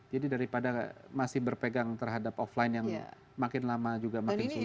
daripada masih berpegang terhadap offline yang makin lama juga makin sulit